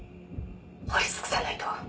掘り尽くさないと。